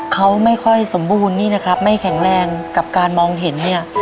เขาไม่ค่อยสมบูรณ์นี่นะครับไม่แข็งแรงกับการมองเห็นเนี่ย